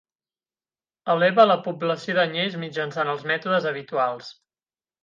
Eleva la població d'anyells mitjançant els mètodes habituals.